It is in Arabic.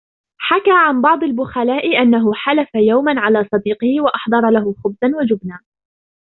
حكى عن بعض البخلاء أنه حلف يوماً على صديقه وأحضر له خبزاً وجبناً